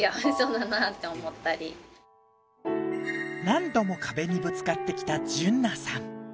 何度も壁にぶつかってきた純菜さん